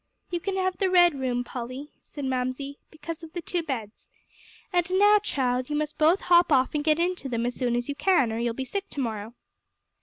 "You can have the red room, Polly," said Mamsie, "because of the two beds. And now, child, you must both hop off and get into them as soon as you can, or you'll be sick to morrow."